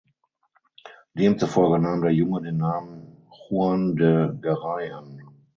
Demzufolge nahm der Junge den Namen Juan de Garay an.